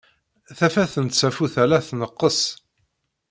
Tafat n tsafut-a la tneqqes.